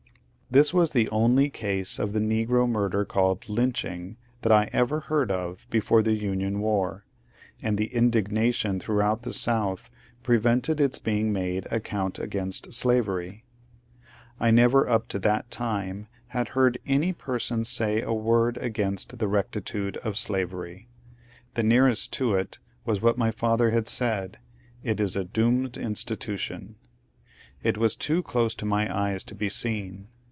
This was the only case of the negro murder called ^^ lynch ing" that I ever heard of before the Union war, and the indignation throughout the South prevented its being made a / count against slavery. f P J I never up to that time had heard any person say a word against the rectitude of slavery. The nearest to it was what my father had said, It is a doomed institution." It was too dose to my eyes to be seen.